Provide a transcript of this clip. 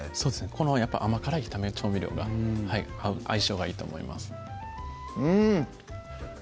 このやっぱ甘辛い炒め調味料が相性がいいと思いますうん！